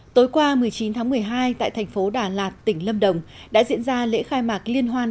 tối qua một mươi chín tháng một mươi hai tại thành phố đà lạt tỉnh lâm đồng đã diễn ra lễ khai mạc liên hoan